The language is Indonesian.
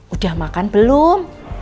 udah makan belum